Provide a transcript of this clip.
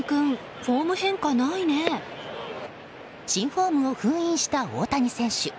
新フォームを封印した大谷選手。